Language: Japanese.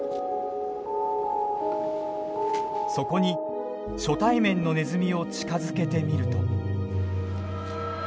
そこに初対面のネズミを近づけてみると。